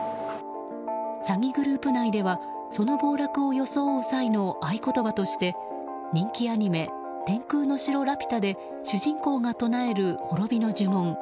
詐欺グループ内ではその暴落を装う際の合言葉として、人気アニメ「天空の城ラピュタ」で主人公が唱える滅びの呪文